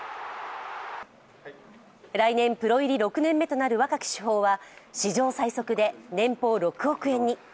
来年プロ入り６年目となる若き主砲は史上最速で年俸６億円に。